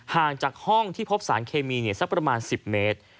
ห่างจากห้องที่พบสารเคมีสักประมาณ๑๐เมตร